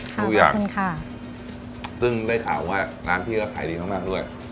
ทุกอย่างขอบคุณค่ะซึ่งได้ข่าวว่าน้ำพี่ก็ขายดีมากมากด้วย